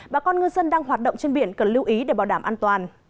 bà con ngư dân đang hoạt động trên biển cần lưu ý để bảo đảm an toàn